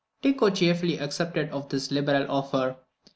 Tycho cheerfully accepted of this liberal offer.